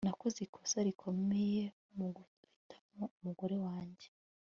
Nakoze ikosa rikomeye muguhitamo umugore wanjye